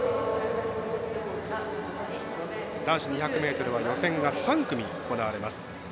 男子２００ｍは予選が３組行われます。